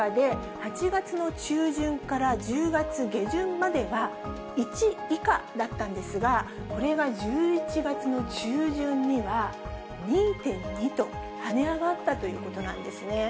８月の中旬から１０月下旬までは、１以下だったんですが、これが１１月の中旬には、２．２と、跳ね上がったということなんですね。